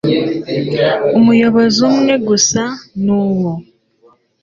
umuyobozi umwe gusa n uwo